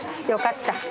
よかった。